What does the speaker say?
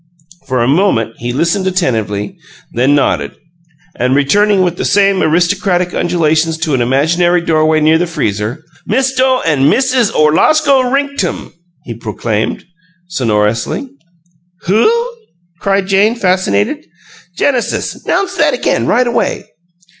For a moment he listened attentively, then nodded, and, returning with the same aristocratic undulations to an imaginary doorway near the freezer, "Misto an' Missuz Orlosko Rinktum!" he proclaimed, sonorously. "WHO?" cried Jane, fascinated. "Genesis, 'nounce that again, right away!"